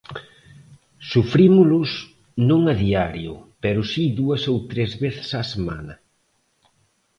Sufrímolos non a diario, pero si dúas ou tres veces á semana.